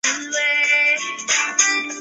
长瓣兜兰为兰科兜兰属下的一个种。